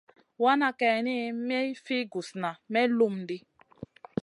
Wana kayni mi fi gusna may lum ɗi.